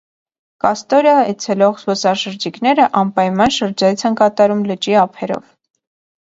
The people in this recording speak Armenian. Կաստորիա այցելող զբոսաշրջիկները անպայման շրջայց են կատարում լճի ափերով։